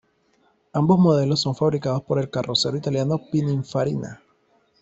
Ambos modelos son fabricados por el carrocero italiano Pininfarina.